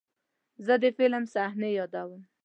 زه د فلم صحنې یادوم.